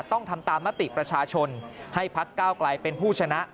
ต้องทำตามมติประชาชนให้พักก้าวไกลเป็นผู้ชนะ